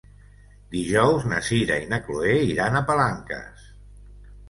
Dijous na Sira i na Chloé iran a Palanques.